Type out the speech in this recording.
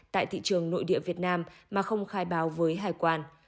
tại thị trường nội địa việt nam mà không khai báo với hải quan